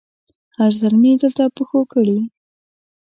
هر زلمي دلته پښو کړي